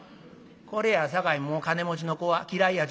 これやさかいもう金持ちの子は嫌いやちゅう。